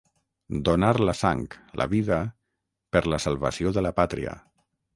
Donar la sang, la vida, per la salvació de la pàtria.